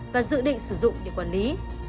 và dự định sử dụng để quản lý